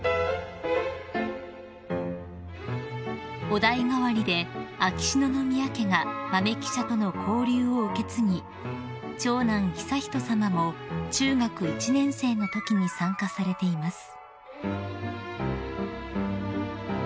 ［お代替わりで秋篠宮家が豆記者との交流を受け継ぎ長男悠仁さまも中学１年生のときに参加されています］